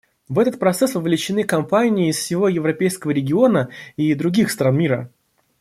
В этот процесс вовлечены компании из всего европейского региона и других стран мира.